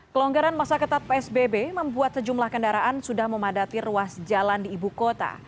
kelonggaran masa ketat psbb membuat sejumlah kendaraan sudah memadati ruas jalan di ibu kota